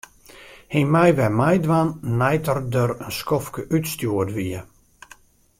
Hy mei wer meidwaan nei't er der in skoftke útstjoerd wie.